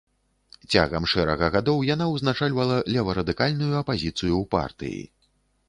Цягам шэрага гадоў яна ўзначальвала леварадыкальную апазіцыю ў партыі.